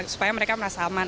supaya mereka merasa aman